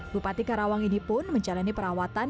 bupati karawang ini pun menjalani perawatan